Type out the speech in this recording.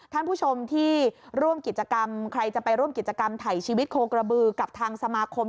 ท่านผู้ชมที่ร่วมกิจกรรมใครจะไปร่วมกิจกรรมถ่ายชีวิตโคกระบือกับทางสมาคม